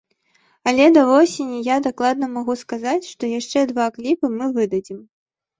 Але да восені я дакладна магу сказаць, што яшчэ два кліпы мы выдадзім.